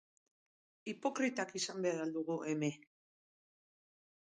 Hipokritak izan behar al dugu, M.